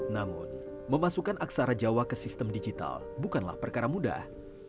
namun memasukkan aksara jawa ke sistem digital bukanlah perkara mudah